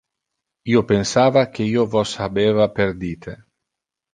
Io pensava que io vos habeva perdite.